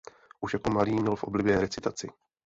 Už jako malý měl v oblibě recitaci.